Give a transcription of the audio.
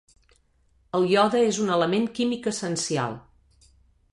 El iode és un element químic essencial.